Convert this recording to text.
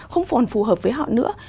không còn phù hợp với họ nữa